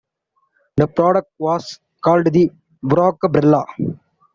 The product was called the Brockabrella.